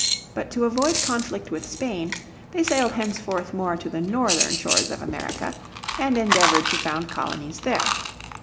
But to avoid conflict with Spain they sailed henceforth more to the northern shores of erica, and endeavoured to found colonies there.